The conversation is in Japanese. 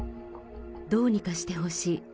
どうにかしてほしい。